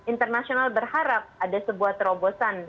internasional berharap ada sebuah terobosan